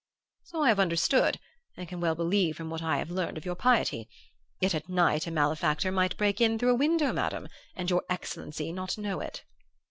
"'So I have understood, and can well believe from what I have learned of your piety; yet at night a malefactor might break in through a window, Madam, and your excellency not know it.